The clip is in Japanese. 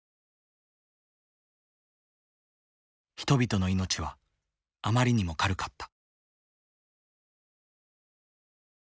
人々の命はあまりにも軽かった。